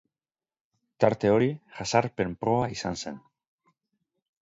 Tarte hori jazarpen proba izan zen.